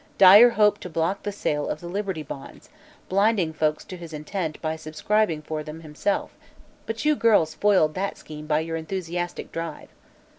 Dyer hoped to block the sale of Liberty Bonds, blinding folks to his intent by subscribing for them himself; but you girls foiled that scheme by your enthusiastic 'drive.'